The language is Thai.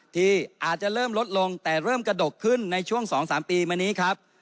ที่อาจจะเริ่มลดลงแต่เริ่มกระดกขึ้นในช่วง๒๓ปีมานี้ครับ